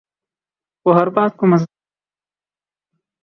وہ ہر بات کو مذاق میں ٹال دیتی